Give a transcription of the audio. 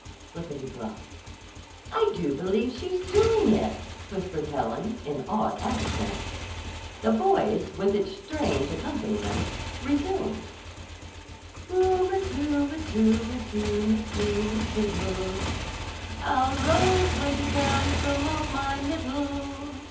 (Floppity flop!) "I do believe she's doing it," whispered Helen in awed accents. The voice, with its strange accompaniments, resumed: "Ru m tu m tu m tum tu m tu m tiddle, I'll roll twenty pounds from off my middle.